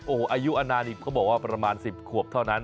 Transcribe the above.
โอ้โหอายุอนานี่เขาบอกว่าประมาณ๑๐ขวบเท่านั้น